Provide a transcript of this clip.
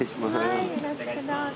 お願いします。